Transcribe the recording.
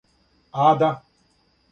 ада